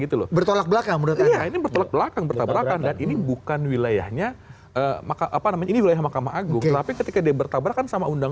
tidak lagi bicara soal pakai otak lu